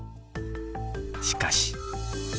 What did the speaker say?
しかし。